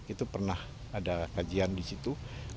itu pernah ada kajian di situ